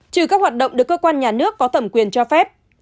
trừ các hoạt động được cơ quan nhà nước có thẩm quyền cho phép